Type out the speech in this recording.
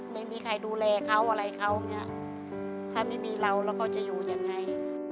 ไม่มีใครนี่ดูแลเขาไม่มีแล้วเขาจะอยู่ยังไง